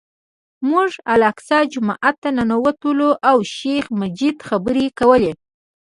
موږ الاقصی جومات ته ننوتلو او شیخ مجید خبرې کولې.